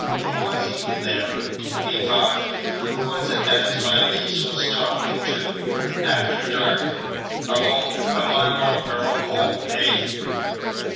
"Who was he, then?" he thought; "who was it as my niece was talkin' to after dark alone a mile off her own home, eh?"